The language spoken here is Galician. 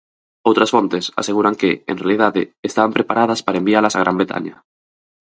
Outras fontes aseguran que, en realidade, estaban preparadas para envialas a Gran Bretaña.